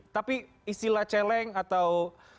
tapi istilah celeng atau